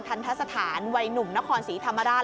ทันทะสถานวัยหนุ่มนครศรีธรรมราช